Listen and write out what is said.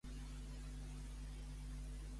L'arxidiòcesi de Toronto és la major de Mèxic.